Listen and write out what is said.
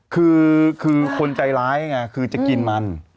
คือคนใจร้ายไงคือจะกินมัน